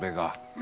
あ